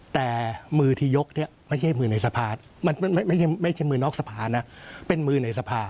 แต่มือที่ยกนี่ไม่ใช่มือนอกสภานะเป็นมือในสภา